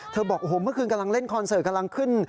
บอกโอ้โหเมื่อคืนกำลังเล่นคอนเสิร์ตกำลังขึ้น